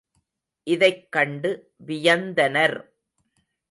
இதைக் கண்டு வியந்தனர்.